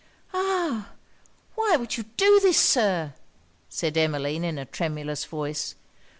'Ah! why would you do this, Sir?' said Emmeline in a tremulous voice.